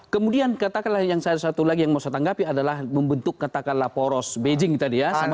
kemudian katakanlah yang satu lagi yang mau saya tanggapi adalah membentuk katakanlah poros beijing tadi ya